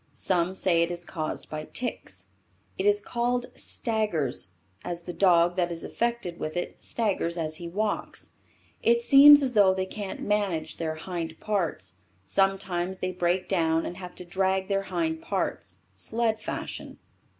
Some say it is caused by ticks. It is called "staggers" as the dog that is affected with it staggers as he walks. It seems as though they can't manage their hind parts. Sometimes they break down and have to drag their hind parts (sled fashion.)